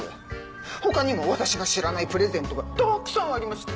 他にも私が知らないプレゼントがたくさんありました。